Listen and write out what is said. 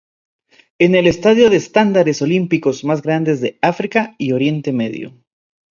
Es el estadio de estándares olímpicos más grande de África y Oriente Medio.